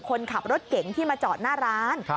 คนขับรถเก๋งที่มาจอดหน้าร้าน